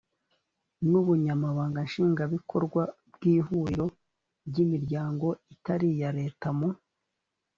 n ubunyamabanga nshingwabikorwa bw ihuriro ry imiryango itari iya leta mu